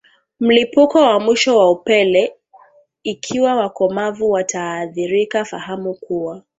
mlipuko wa mwisho wa upele Ikiwa wakomavu wataathirika fahamu kuwa